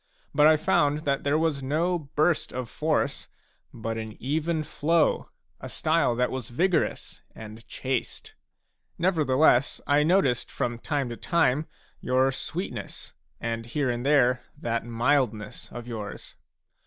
But I found that there was no burst of force, but an even flow, a style that was vigorous and chaste. Nevertheless I noticed from time to time your sweetness, and here and there that mildness of yours.